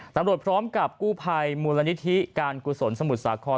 ตำรวจพร้อมกับกู้ภัยมูลนิธิการกุศลสมุทรสาคร